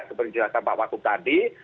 seperti jelaskan pak wakub tadi